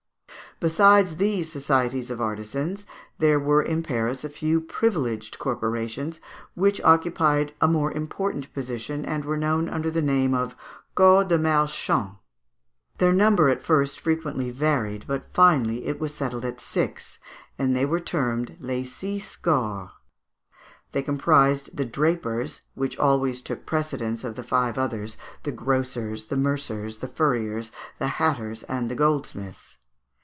Besides these societies of artisans, there were in Paris a few privileged corporations, which occupied a more important position, and were known under the name of Corps des Marchands. Their number at first frequently varied, but finally it was settled at six, and they were termed les Six Corps. They comprised the drapers, which always took precedence of the five others, the grocers, the mercers, the furriers, the hatters, and the goldsmiths.